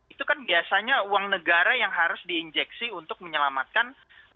itu kan biasanya uang negara yang harus diinjeksi untuk menyelamatkan